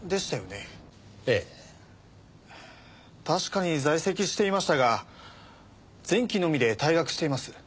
確かに在籍していましたが前期のみで退学しています。